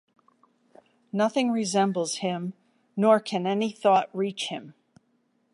Nothing resembles Him nor can any thought reach Him.